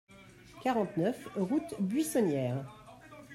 quarante-neuf route Buissonniere